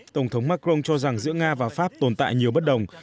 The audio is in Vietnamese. tổng thống macron cho rằng giữa nga và pháp tồn tại nhiều bất đồng